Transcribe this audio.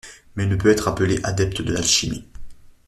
Mais il ne peut pas être appelé adepte de l'alchimie.